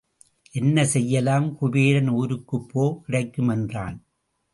என்ன செய்யலாம்? குபேரன் ஊருக்குப்போ, கிடைக்கும் என்றான்.